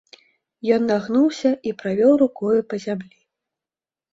Ён нагнуўся і правёў рукою па зямлі.